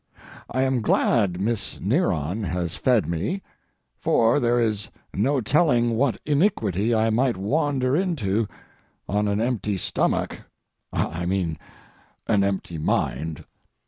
I am glad Miss Neron has fed me, for there is no telling what iniquity I might wander into on an empty stomach—I mean, an empty mind.